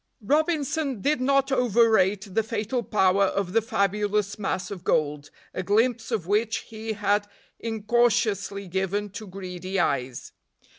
ROBINSON did not overrate the fatal power of the fabulous mass of gold, a glimpse of which he had incautiously given to greedy eyes.